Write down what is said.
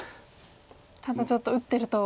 ただちょっと打ってると。